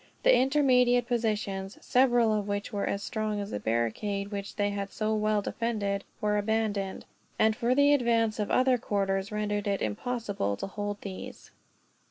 The intermediate positions, several of which were as strong as the barricade which they had so well defended, were abandoned; for the advance from other quarters rendered it impossible to hold these.